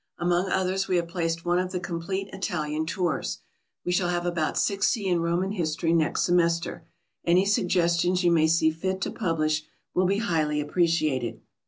Among others we have placed one of the complete Italian tours. We shall have about 60 in Roman history next semester. Any suggestions you may see fit to publish will be highly appreciated.